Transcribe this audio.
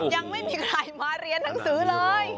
ยังไม่มีใครมาเรียนหนังสือเลย